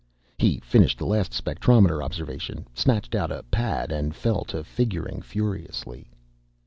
He finished the last spectrometer observation, snatched out a pad and fell to figuring furiously.